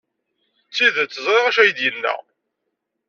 D tidet ẓriɣ d acu ay d-yenna.